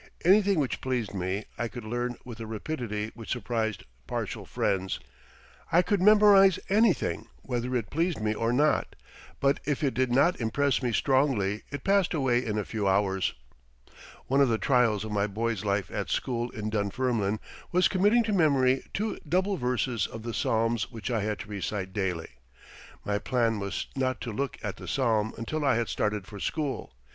Anything which pleased me I could learn with a rapidity which surprised partial friends. I could memorize anything whether it pleased me or not, but if it did not impress me strongly it passed away in a few hours. One of the trials of my boy's life at school in Dunfermline was committing to memory two double verses of the Psalms which I had to recite daily. My plan was not to look at the psalm until I had started for school.